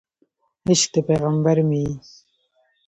عشق د پیغمبر مې یې